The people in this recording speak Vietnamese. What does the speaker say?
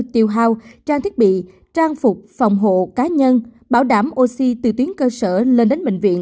tiêu hao trang thiết bị trang phục phòng hộ cá nhân bảo đảm oxy từ tuyến cơ sở lên đến bệnh viện